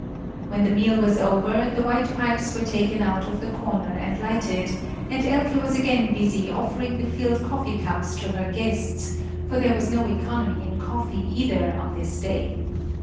When the meal was over, the white pipes were taken out of the corner and lighted, and Elke was again busy offering the filled coffee cups to her guests; for there was no economy in coffee, either, on this day.